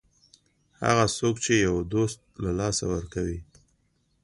هغه څوک چې یو دوست له لاسه ورکوي.